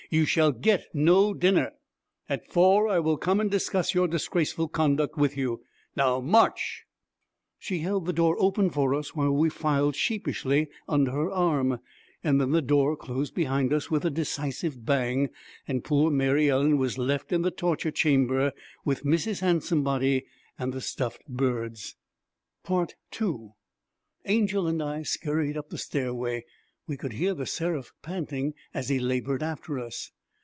You shall get no dinner. At four I will come and discuss your disgraceful conduct with you. Now march!' She held the door open for us while we filed sheepishly under her arm. Then the door closed behind us with a decisive bang, and poor Mary Ellen was left in the torture chamber with Mrs. Handsomebody and the stuffed birds. II Angel and I scurried up the stairway. We could hear The Seraph panting as he labored after us.